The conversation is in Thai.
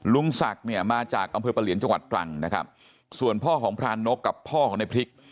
ลุงศักดิ์เนี่ยมาจากอำเภอประเหลียนจังหวัดตรังนะครับส่วนพ่อของพรานกกับพ่อของในพริก